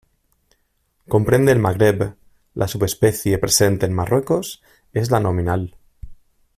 Comprende el Magreb, la subespecie presente en Marruecos es la nominal.